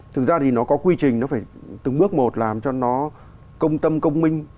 thực ra thì nó có quy trình nó phải từng bước một làm cho nó công tâm công minh